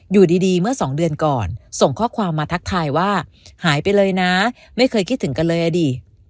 อยู่ดีเมื่อสองเดือนก่อนส่งข้อความมาทักทายว่าหายไปเลยนะไม่เคยคิดถึงกันเลยอ่ะดิ